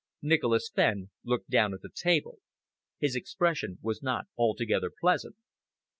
Nicholas Fenn looked down at the table. His expression was not altogether pleasant.